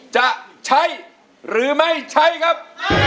จะใช้หรือไม่ใช้ครับ